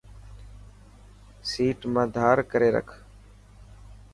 سيٽ مان ڌار ڪري رک.